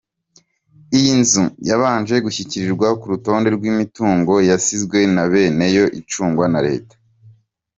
Iyi nzu yabanje gushyirwa ku rutonde rw’ imitungo yasizwe na beneyo icungwa na Leta.